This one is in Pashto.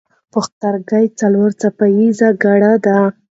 پوښتورګی څلور څپه ایزه ګړه ده.